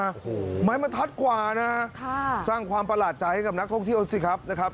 โอ้โฮไม้มันทัดกว่านะสร้างความประหลาดใจให้กับนักโทษที่อดสิทธิ์ครับ